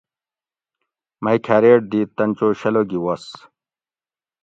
مئ کھاریٹ دیت تن چو شلہ گی وس